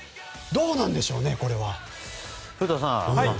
どうなんでしょうね、これは。